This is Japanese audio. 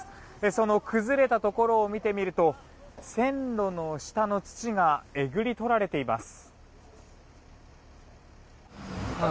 その崩れたところを見てみると線路の下の土がえぐり取られています。